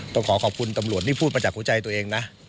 ต้องขอขอบคุณตำรวจนี่พูดมาจากหัวใจตัวเองนะ